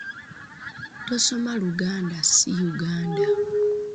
Tusoma Luganda si Uganda.